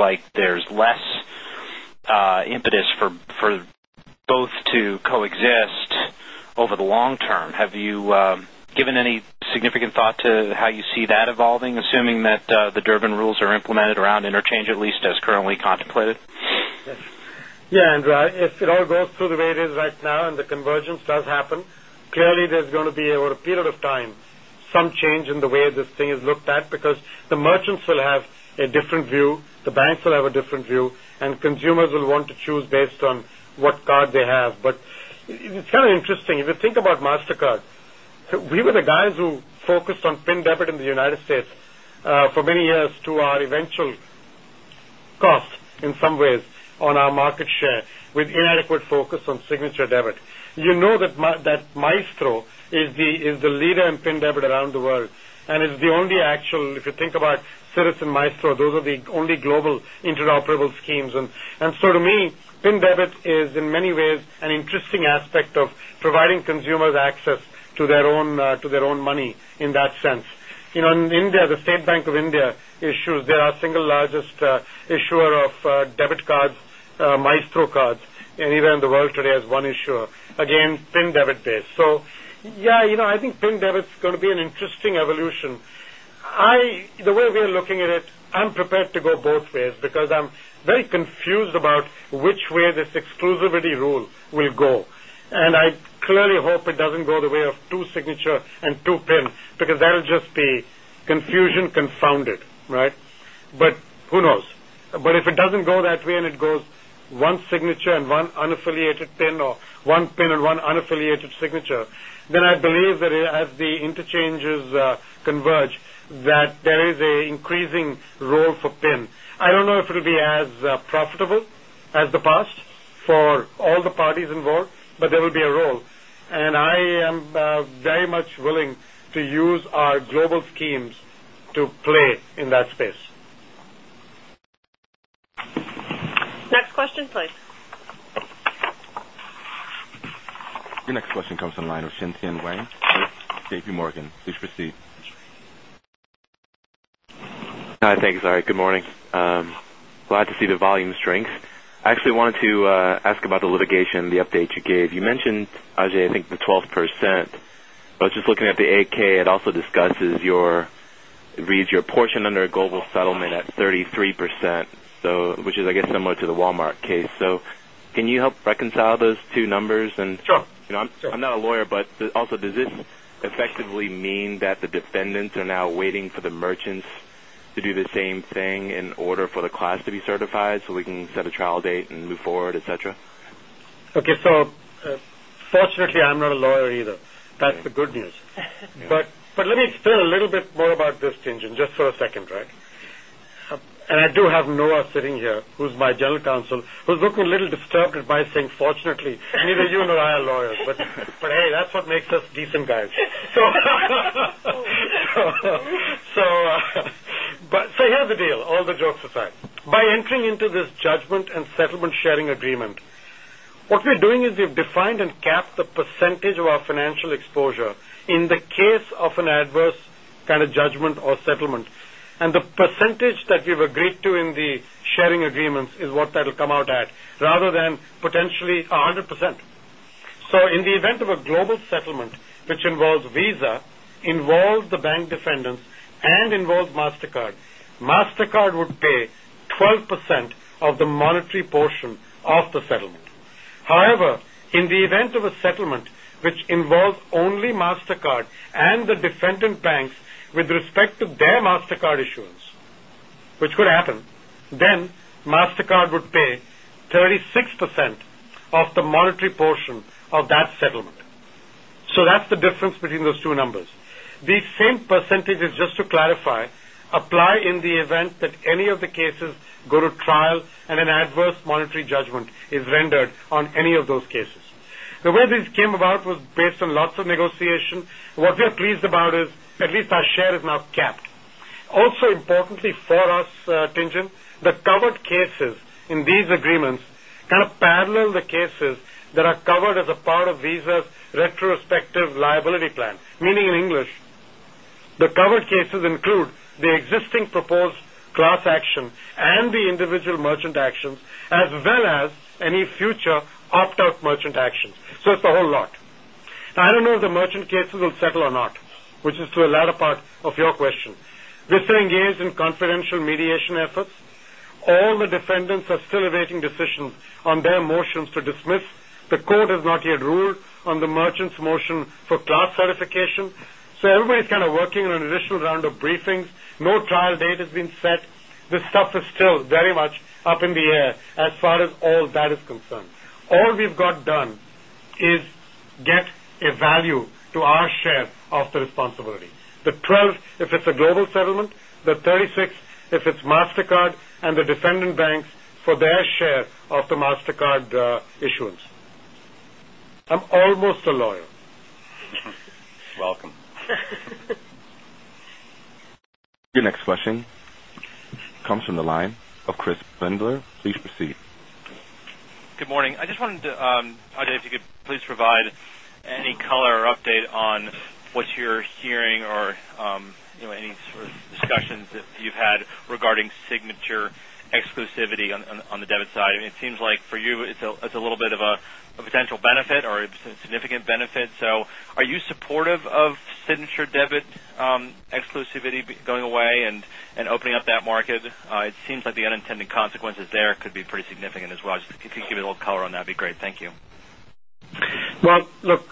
S11: any significant thought to how you see that evolving assuming that the Durbin rules are implemented around interchange at least as currently contemplated?
S3: Yes, Andrew, if it all goes through the way it is right now and the convergence does happen, clearly there's going to be over a period of time some change in the way this thing is looked at because the merchants will have a different view, the banks will have a different view and consumers will want to choose based on what card They have, but it's kind of interesting, if you think about Mastercard, we were the guys who focused on pin debit in the United States for years to our eventual cost in some ways on our market share with inadequate focus on Signature debit. You know that Maestro is the leader in pin debit around the world and is the only actual if you think about CITIS and Maestro, those are the only global interoperable And so to me, PIN debit is in many ways an interesting aspect of providing consumers access to their own money in that sense. India, the State Bank of India issues, they are single largest issuer of debit cards, Maestro cards, and in the world today has one issue, again, PIN debit base. So yes, I think PIN debit is going to be an interesting evolution. The way we're looking at it, I'm prepared to go both ways because I'm very confused about which way this exclusivity rule will go. And I clearly hope it doesn't go the way of 2 signature and 2 PIN because that will just be confusion unfounded, right? But who knows? But if it doesn't go that way and it goes one signature and one unaffiliated pin or one pin and one unaffiliated signature, Then I believe that as the interchanges converge that there is an increasing role for PIN. I don't use our global schemes to play in that space.
S2: Next question please.
S1: Your next question comes from the line of Shintan Wang with JPMorgan. Please proceed.
S10: Hi, thanks, Larry. Good morning. Glad to see the volume strength. I actually wanted to ask about The update you gave, you mentioned, Ajay, I think the 12%.
S1: I was just looking at
S10: the 8 ks, it also discusses your reads your portion under a global settlement at at 33%, which is I guess similar to the Walmart case. So can you help reconcile those two numbers? And I'm not a lawyer, but also does this effectively mean that the defendants are now waiting for the merchants to do the same thing in order for the to be certified so we can set a trial date and move forward, etcetera?
S3: Okay. So fortunately, I'm not a lawyer either. That's the good But let me tell a little bit more about this, Tien Tsin, just for a second, right? And I do have Noah sitting here, who's my General Counsel, who Look, we're a little disturbed by saying fortunately, neither you nor I are lawyers, but hey, that's what makes us decent guys. So here's the deal, all the jokes aside. By entering into this judgment and settlement sharing agreement, what we're doing is we've percentage that we've agreed to in the sharing agreements is what that will come out at rather than potentially 100%. So in the event of a global which involves Visa, involves the bank defendants and involves Mastercard, Mastercard would pay 12% of the monetary portion of the settlement. However, in the event of a settlement, which involves only Mastercard and the defendant banks with respect to their Mastercard issuance, which could happen, then Mastercard pay 36% of the monetary portion of that settlement. So that's the difference between those two numbers. These same percentages, just to clarify, apply in the event that any of the cases go to trial and an adverse monetary judgment is rendered on any of those cases. The way this came about was based on lots of negotiation. What we are pleased about is at least our share is now Also importantly for us, Tien Tsin, the covered cases in these agreements kind of parallel the that are covered as a part of Visa's retrospective liability plan, meaning in English. The covered cases include the existing proposed class action and the individual merchant actions as well as any future opt out merchant actions. So it's a whole lot. I don't know if the merchant cases will settle or not, which is to the latter part of your question. This is engaged in confidential mediation efforts. All the defendants are still awaiting decisions on their motions to dismiss. The court has not yet ruled on the merchant's motion for class certification. So everybody is kind of working on an additional round of briefings. No trial date has been set. This stuff is still very much up The 12,000,000 if it's a global settlement, the 36,000,000 if it's Mastercard and the defendant banks for their share of the Mastercard Issuance. I'm almost a lawyer. Welcome.
S1: Your next question comes from the line of Chris Bendler. Please proceed.
S12: Good morning. I just wanted to Hadi, if you could please provide Any color or update on what you're hearing or any sort of discussions that you've had regarding signature Exclusivity on the debit side, I mean, it seems like for you, it's a little bit of a potential benefit or a significant benefit. So are you supportive of Signature debit exclusivity going away and opening up that market, it seems like the unintended consequences there be pretty
S13: significant as well. If you could
S12: give a little color on that would be great. Thank you.
S3: Well, look,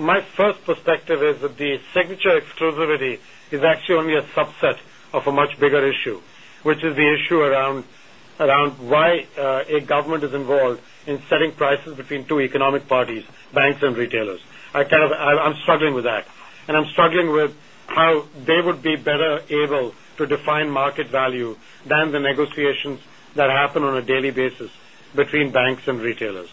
S3: my first perspective is that the signature exclusivity is actually only a subset of a much bigger issue, which is the issue around why a government is involved in setting prices between 2 economic These banks and retailers, I'm struggling with that and I'm struggling with how they would be better able to market value than the negotiations that happen on a daily basis between banks and retailers.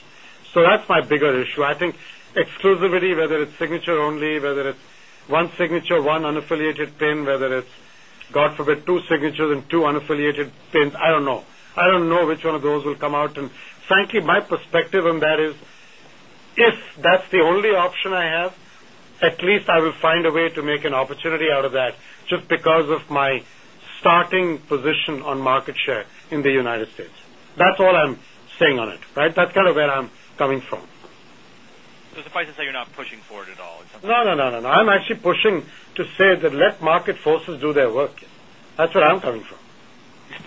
S3: So that's my bigger issue. I Exclusivity, whether it's signature only, whether it's one signature, one unaffiliated PIN, whether it's, God forbid, 2 signatures and 2 unaffiliated PINs, I don't know. I don't know which one of those will come out. And frankly, my perspective on that is, if that's the only option I have, at least I will find a way to make an opportunity out of that just because of my starting position on market share in the United States.
S12: So suffice to say you're not pushing forward at all?
S3: No, no, no, no. I'm Actually pushing to say that let market forces do their work. That's where I'm coming from.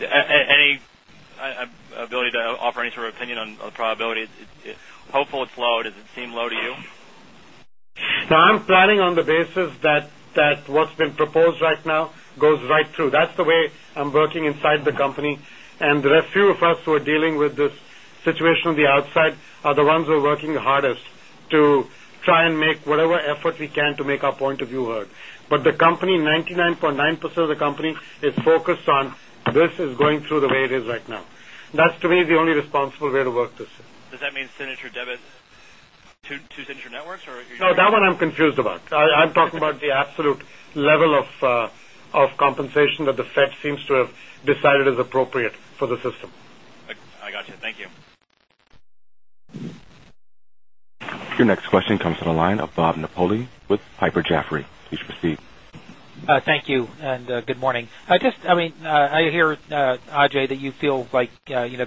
S12: Any Ability to offer any sort of opinion on probability, hopeful it's low, does it seem low to you?
S3: No, I'm planning on the basis that what's been proposed right now goes right through. That's the way I'm working inside the company. And there are few of us who are dealing with this situation on the outside are the are working the hardest to try and make whatever effort we can to make our point of view heard. But the company, 99.9% of is focused on this is going through the way it is right now. That's to me the only responsible way to work this.
S12: Does that mean Signature debit 2 center networks or
S3: No, that one I'm confused about. I'm talking about the absolute level of compensation that the Fed seems to have decided is appropriate for system.
S12: I got you. Thank you.
S1: Your next question comes from the line of Bob Napoli Piper Jaffray. Please proceed.
S14: Thank you and good morning. I hear Ajay that you feel like You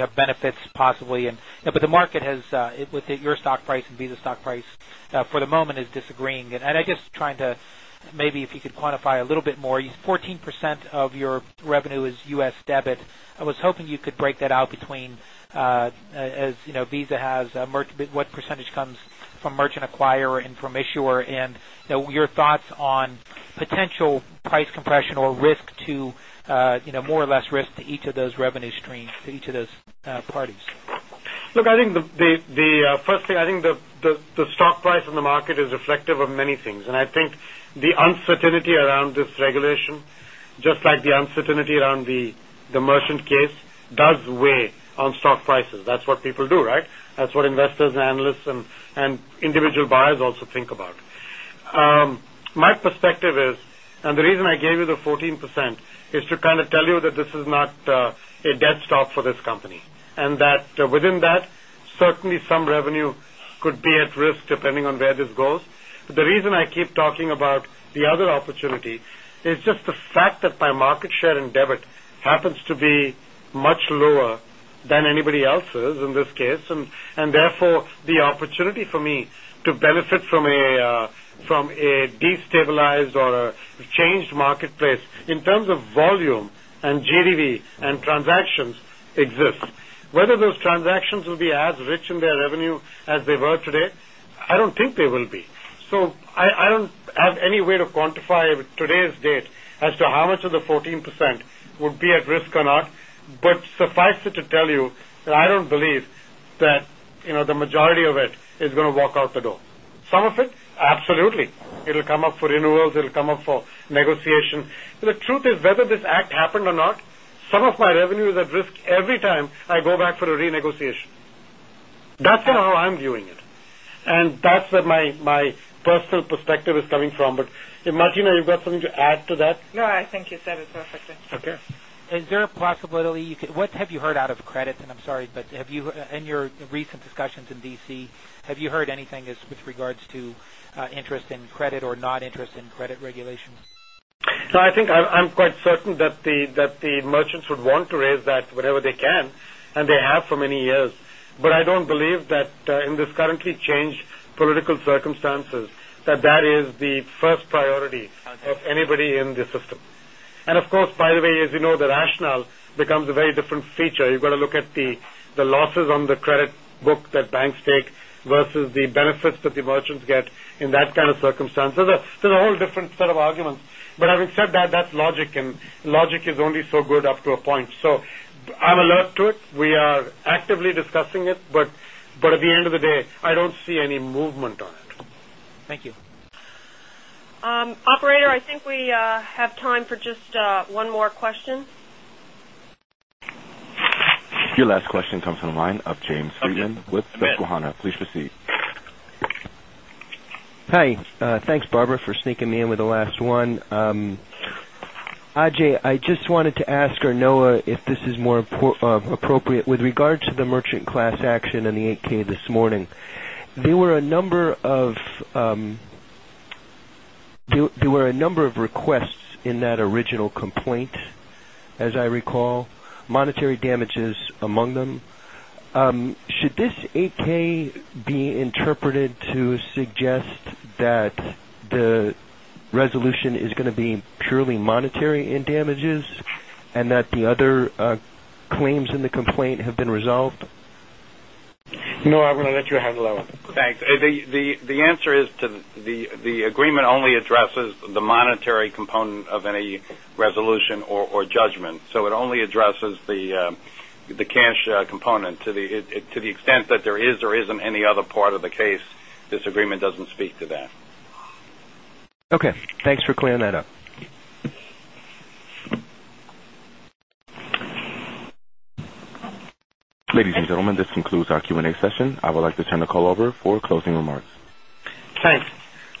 S14: have benefits possibly and but the market has it would hit your stock price and Visa stock price for the moment is disagreeing. And I guess trying to Maybe if you could quantify a little bit more, 14% of your revenue is U. S. Debit. I was hoping you could break that out between As Visa has what percentage comes from merchant acquirer and from issuer? And your thoughts on Potential price compression or risk to more or less risk to each of those revenue streams to each of those parties?
S3: Look, I think Firstly, I think the stock price in the market is reflective of many things. And I think the uncertainty around this regulation, just like the uncertainty around The merchant case does weigh on stock prices. That's what people do, right? That's what investors and analysts and individual buyers also think about. My perspective is and the reason I gave you the 14% is to kind of tell you that this is not a dead stock for this company. And that within that, Certainly, some revenue could be at risk depending on where this goes. But the reason I keep talking about the other opportunity is just the fact that my market happens to be much lower than anybody else's in this case and therefore the opportunity for me to benefit from a destabilized or a changed marketplace in terms of volume and and transactions exist. Whether those transactions will be as rich in their revenue as they were today, I don't think they will be. So I don't have any way to quantify today's date as to how much of the 14% would be at risk or not. But suffice it to tell you that I believe that the majority of it is going to walk out the door. Some of it absolutely, it will come up for renewals, it will come up for The truth is whether this act happened or not, some of my revenue is at risk every time I go back for a renegotiation. That's how I'm And that's where my personal perspective is coming from. But Martina, you've got something to add to that?
S4: No, I think you said it perfectly. Okay.
S14: Is there What have you heard out of credit? And I'm sorry, but have you in your recent discussions in D. C, have you heard anything with regards to Interest in credit or not interest in credit regulations?
S3: No, I think I'm quite certain that the merchants would want to raise that whenever they And they have for many years, but I don't believe that in this currently changed political circumstances that feature, you got to look at the losses on the credit book that banks take versus the benefits that the merchants get in that kind of circumstances. There's a whole different set of But having said that, that's logic and logic is only so good up to a point. So I'm alert to it. We are actively discussing it. But at the end of the day, I don't see any movement on it.
S14: Thank you.
S2: Operator, I think we have time for just one more question.
S1: Your last question comes from the line of James Friedman with Susquehanna. Please proceed.
S13: Hi. Thanks Barbara for sneaking me in with Last one. Ajay, I just wanted to ask or know if this is more appropriate with regard to the merchant class action in the 8 ks this morning. There were a number of quests in that original complaint, as I recall, monetary damages among them. Should this 8 ks be interpreted to suggest that the resolution is going to be purely monetary in damages and that the other Claims in the complaint have been resolved?
S3: No, I'm going to let you handle that.
S15: Thanks. The answer is to The agreement only addresses the monetary component of any resolution or judgment. So it only addresses the cash component to the To the extent that there is or isn't any other part of the case, this agreement doesn't speak to that.
S1: Ladies and gentlemen, this concludes our Q and A session. I would like to turn the call over for closing remarks.
S3: Thanks.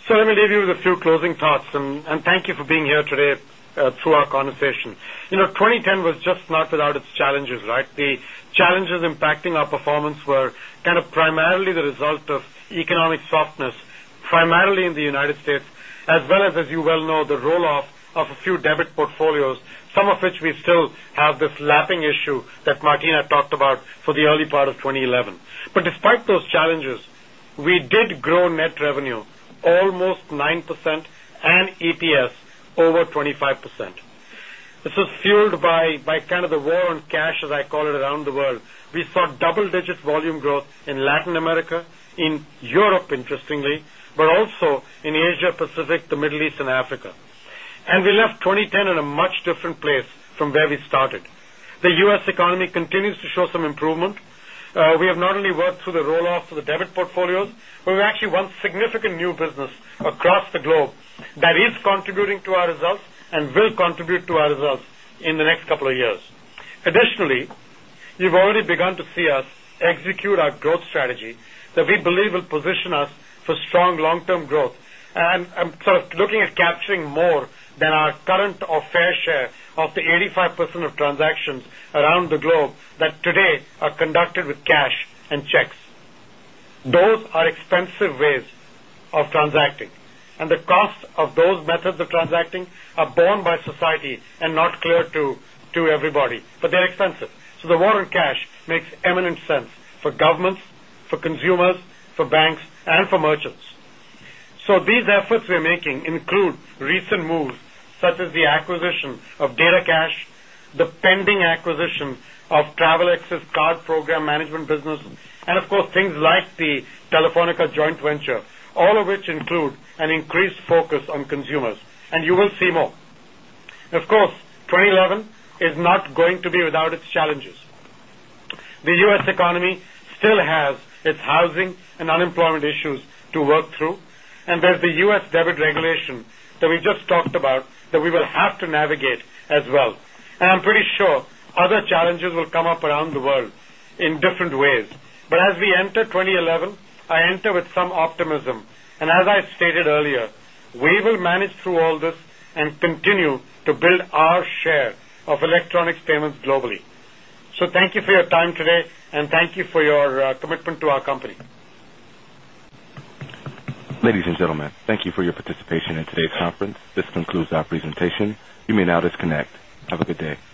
S3: So let me leave you few closing thoughts and thank you for being here today through our conversation. 2010 was just not without its challenges, right? The impacting our performance were kind of primarily the result of economic softness, primarily in the United States as well as as you well know the roll off of a few debit portfolios, some of which we still have this lapping issue that Martina talked about for the early part of 2011. But those challenges, we did grow net revenue almost 9% and EPS over 25%. This was fueled By kind of the war on cash, as I call it, around the world, we saw double digit volume growth in Latin America, in Europe, but also in Asia Pacific, the Middle East and Africa. And we left 2010 in a much different place from where we started. Continues to show some improvement. We have not only worked through the roll off of the debit portfolios, but we actually won significant new business across the globe that is contributing to our results and will contribute to our results in the next couple of years. Additionally, you've already begun to see us execute our growth that we believe will position us for strong long term growth. And I'm sort of looking at capturing more than our current or share of the 85% of transactions around the globe that today are conducted with cash and checks. Those are expensive ways of transacting and the cost of those methods of transacting are borne by society and not clear to everybody, but they're expensive. So the war on cash makes eminent sense for governments, for consumers, for banks and for merchants. So these efforts we're making recent moves such as the acquisition of DataCash, the pending acquisition of TravelX's card management business and of course things like the Telefonica joint venture, all of which include an increased focus on consumers and you will see more. Of course, 2011 is not going to be without its challenges. The U. S. Economy still has it's housing and unemployment issues to work through and there's the U. S. Debit regulation that we just talked about that we will have to navigate as well. And pretty sure other challenges will come up around the world in different ways. But as we enter 2011, I enter with some optimism. And as I time today and thank you for your commitment to our company.
S1: Ladies and gentlemen, thank you for your participation in today's conference. This concludes our